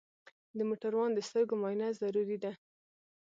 د موټروان د سترګو معاینه ضروري ده.